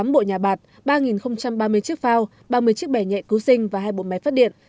tám bộ nhà bạc ba ba mươi chiếc phao ba mươi chiếc bẻ nhẹ cứu sinh và hai bộ máy phát điện